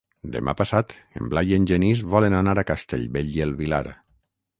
Demà passat en Blai i en Genís volen anar a Castellbell i el Vilar.